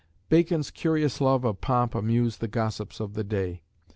Bacon's curious love of pomp amused the gossips of the day.